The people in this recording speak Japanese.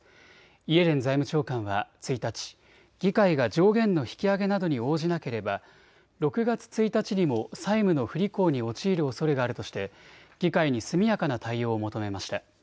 イエレン財務長官は１日、議会が上限の引き上げなどに応じなければ６月１日にも債務の不履行に陥るおそれがあるとして議会に速やかな対応を求めました。